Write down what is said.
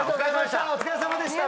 お疲れさまでした。